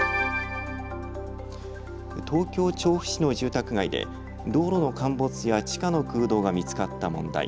東京調布市の住宅街で道路の陥没や地下の空洞が見つかった問題。